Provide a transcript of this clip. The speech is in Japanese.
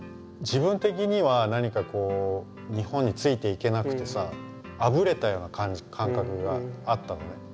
自分的には何かこう日本についていけなくてさあぶれたような感覚があったのね。